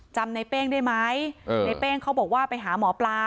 จำในเป้งได้ไหมในเป้งเขาบอกว่าไปหาหมอปลา